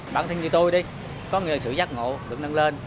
bản thân như tôi đi có người sự giác ngộ được nâng lên